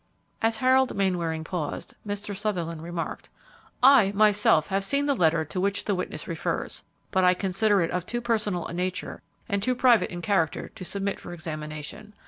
As Harold Mainwaring paused, Mr. Sutherland remarked, "I, myself, have seen the letter to which the witness refers, but I consider it of too personal a nature and too private in character to submit for examination.